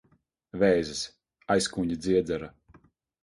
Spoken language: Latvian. Vēzis. Aizkuņģa dziedzera.